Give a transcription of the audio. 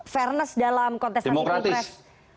fairness dalam kontes nanti di press